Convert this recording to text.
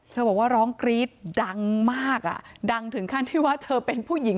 บอกว่าร้องกรี๊ดดังมากอ่ะดังถึงขั้นที่ว่าเธอเป็นผู้หญิง